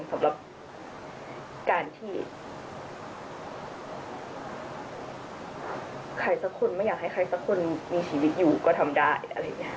สำหรับการที่ใครสักคนไม่อยากให้ใครสักคนมีชีวิตอยู่ก็ทำได้